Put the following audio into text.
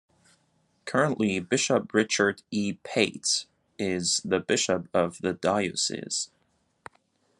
Currently Bishop Richard E. Pates is the bishop of the diocese.